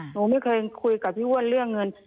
หนูไม่เคยคุยกับพี่อ้วนเรื่องเงิน